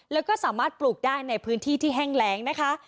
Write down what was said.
แล้วก็สามารถปลูกได้ในพื้นที่ที่แห้งแรงนะคะ